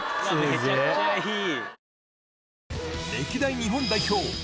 めちゃくちゃいい。